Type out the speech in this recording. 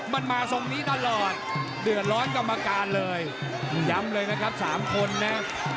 มันมาทรงนี้ตลอดเดือดร้อนกรรมการเลยย้ำเลยนะครับสามคนนะ